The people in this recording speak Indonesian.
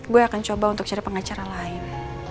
gue akan coba untuk cari pengacara lain